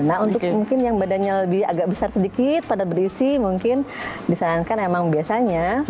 nah untuk mungkin yang badannya lebih agak besar sedikit pada berisi mungkin disarankan emang biasanya